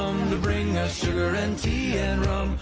กลับด้านหลักหลักหลักหลักหลัก